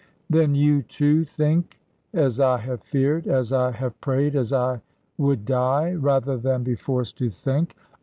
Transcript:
"Then you too think, as I have feared, as I have prayed, as I would die, rather than be forced to think.